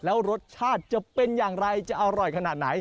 แล้วรสชาติจะเป็นอย่างไรจะอร่อยขนาดไหน